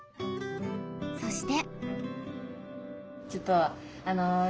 そして。